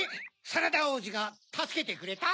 サラダおうじがたすけてくれた？